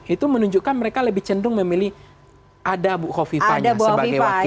itu menunjukkan mereka lebih cenderung memilih ada bu kofifanya sebagai wakil